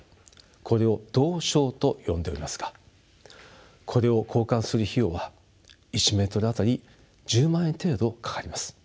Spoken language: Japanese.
これを道床と呼んでおりますがこれを交換する費用は１メートル当たり１０万円程度かかります。